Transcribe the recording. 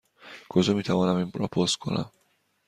کجا می توانم این را پست کنم؟